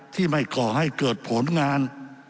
ที่ไม่ก่อให้เกิดผลงาน